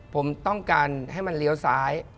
ผมต้องการให้มันเลี้ยวซ้าย